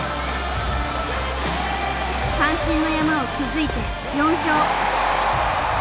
三振の山を築いて４勝。